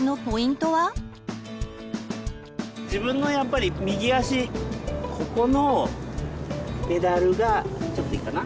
自分のやっぱり右足ここのペダルがちょっといいかな？